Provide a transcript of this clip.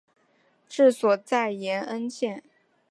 治所在延恩县。